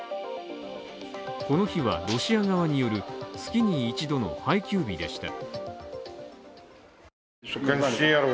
この日はロシア側による月に１度の配給日でした。